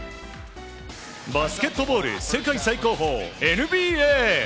バスケットボール世界最高峰ＮＢＡ。